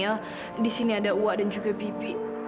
karena disini ada wak dan juga bibi